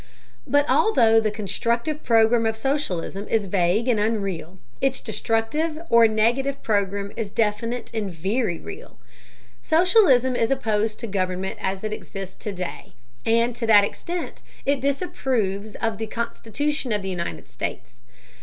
But although the constructive program of socialism is vague and unreal, its destructive or negative program is definite and very real. Socialism is opposed to government as it exists to day, and to that extent, it disapproves of the Constitution of the United States.